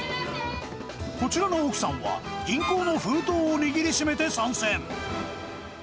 こちらの奥さんは、銀行の封筒を握りしめて参戦。